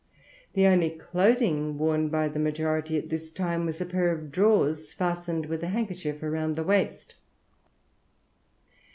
The only clothing worn by the majority at this time was a pair of drawers fastened with a handkerchief round the waist.